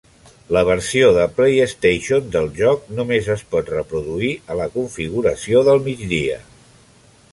La versió de PlayStation del joc només es pot reproduir a la configuració del migdia.